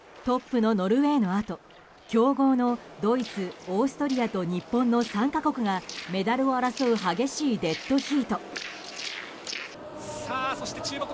トップのノルウェーのあと強豪のドイツ、オーストリアと日本の３か国がメダルを争う激しいデッドヒート。